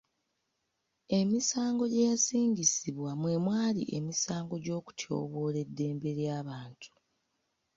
Emisango gye yasingisibwa mwe mwali emisango gy'okutyoboola eddembe ly'abantu.